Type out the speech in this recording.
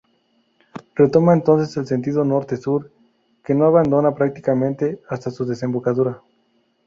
Retoma entonces el sentido norte-sur, que no abandona prácticamente hasta su desembocadura.